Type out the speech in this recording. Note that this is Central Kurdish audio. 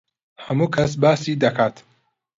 هەموو کەس باسی دەکات.